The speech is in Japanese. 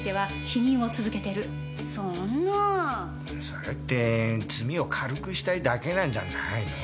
それって罪を軽くしたいだけなんじゃないの？